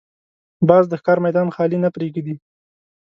باز د ښکار میدان خالي نه پرېږدي